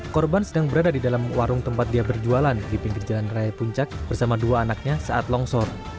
korban sedang berada di dalam warung tempat dia berjualan di pinggir jalan raya puncak bersama dua anaknya saat longsor